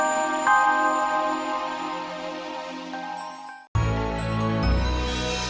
aku akan mengingatmu